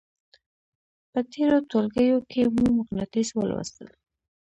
په تېرو ټولګیو کې مو مقناطیس ولوستل.